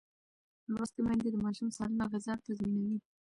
لوستې میندې د ماشوم سالمه غذا تضمینوي.